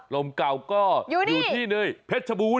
ลมเก่าก็อยู่ที่ในเพชรชบูรณ